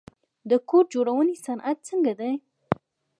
د کور جوړونې صنعت څنګه دی؟